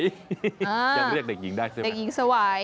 ยังเรียกเด็กหญิงได้ใช่ไหมเด็กหญิงสวัย